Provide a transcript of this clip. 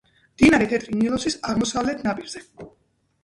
მდინარე თეთრი ნილოსის აღმოსავლეთ ნაპირზე.